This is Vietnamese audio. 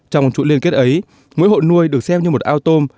trong chuỗi liên kết ấy mỗi hộ nuôi được xem như một ao tôm